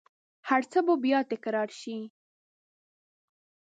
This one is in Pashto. هرڅه به بیا تکرارشي